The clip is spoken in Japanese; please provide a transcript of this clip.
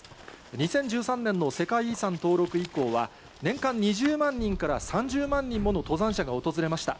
２０１３年の世界遺産登録以降は、年間２０万人から３０万人もの登山者が訪れました。